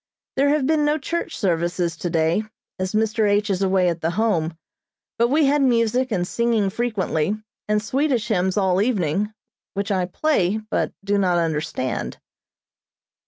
There have been no church services today, as Mr. H. is away at the Home, but we had music and singing frequently, and Swedish hymns all evening, which I play, but do not understand.